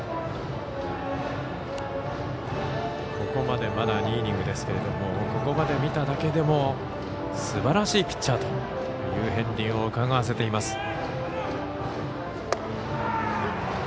ここまでまだ２イニングですけれどもここまで見ただけでもすばらしいピッチャーという片りんをうかがわせています。